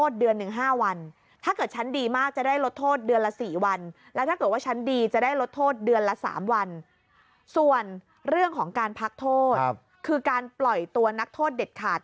ส่วนเรื่องของการพักโทษคือการปล่อยตัวนักโทษเด็ดขาด